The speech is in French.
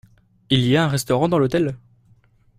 Il y a un restaurant dans l’hôtel ?